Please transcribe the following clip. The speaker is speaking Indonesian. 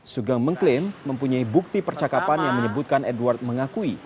sugeng mengklaim mempunyai bukti percakapan yang menyebutkan edward mengakui